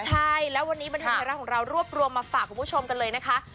ใช่แล้ววันนี้บันเทิงไทยรัฐของเรารวบรวมมาฝากคุณผู้ชมกันเลยนะคะ